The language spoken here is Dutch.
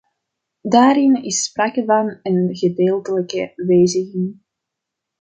Daarin is sprake van een gedeeltelijke wijziging.